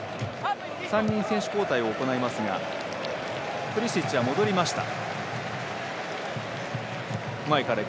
３人、選手交代を行いますがプリシッチは戻りました。